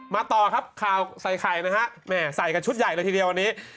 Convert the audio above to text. ต่อครับข่าวใส่ไข่นะฮะแม่ใส่กันชุดใหญ่เลยทีเดียววันนี้